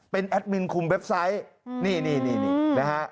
เป็นแอดมินคุมเว็บไซต์นี่นี่นะฮะ